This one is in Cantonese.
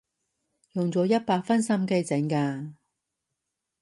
用咗一百分心機整㗎